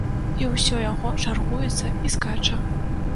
І ўсё яго чаргуецца і скача.